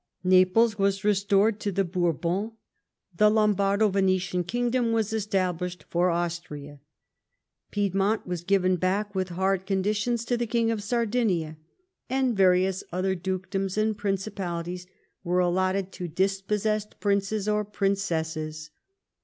Naples was restored to the Bourbons ; the Lombardo Venetian kingdom was established for Austria; Piedmont was given back, with hard conditions, to the KiniT of Sardinia : and various others Dukedoms and Principalities were allotted to dispossessed princes or GOVERNMENT BY BEPBESSION 153 princesses.